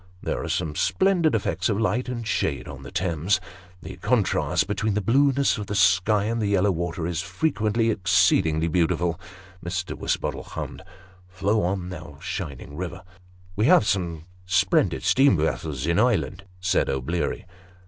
There are some splendid effects of light and shade on the Thames ; the contrast between the blueness of the sky and tho Q 226 Sketches by Bos. yellow water is frequently exceedingly beautiful." Mr. Wisbottle hummed, " Flow on, thou shining river." " We have some splendid steam vessels in Ireland," said O'Bleary.